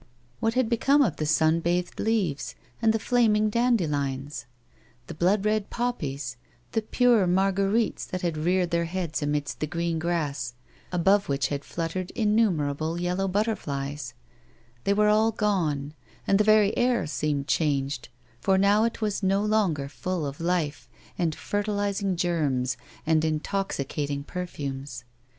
What had become of the sun bathed leaves, and the flaming dande lions, the blood red poppies, the pure marguerites that had reared their heads amidst the green grass above which had fluttered innumerable yellow butterflies 1 They were all gone, and the very air seemed changed, for now it was no longer full of life, and fertilising germs and intoxicating per fumes.